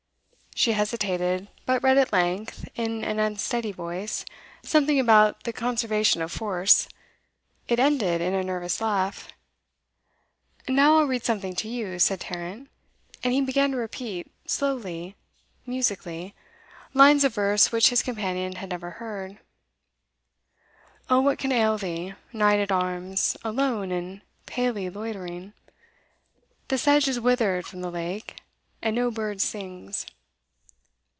She hesitated, but read at length, in an unsteady voice, something about the Conservation of Force. It ended in a nervous laugh. 'Now I'll read something to you,' said Tarrant. And he began to repeat, slowly, musically, lines of verse which his companion had never heard: 'O what can ail thee, Knight at arms, Alone and palely loitering? The sedge has wither'd from the lake, And no birds sing.